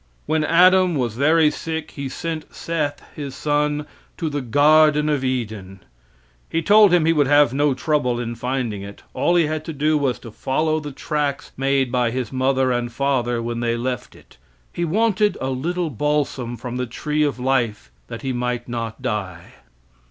When Adam was very sick he sent Seth, his son, to the garden of Eden. He told him he would have no trouble in finding it; all he had to do was to follow the tracks made by his mother and father when they left it. He wanted a little balsam from the tree of life that he might not die.